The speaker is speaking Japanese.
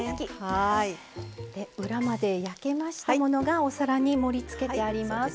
裏まで焼けましたものがお皿に盛りつけてあります。